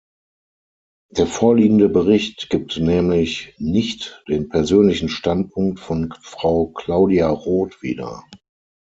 Der vorliegende Bericht gibt nämlich nicht den persönlichen Standpunkt von Frau Claudia Roth wieder.